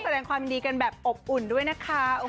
แสดงความยินดีกันแบบอบอุ่นด้วยนะคะ